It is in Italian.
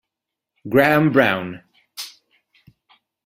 Graham Brown